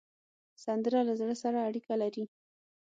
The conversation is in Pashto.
سندره له زړه سره اړیکه لري